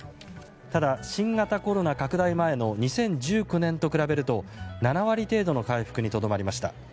ただ、新型コロナ拡大前の２０１９年と比べると７割程度の回復にとどまりました。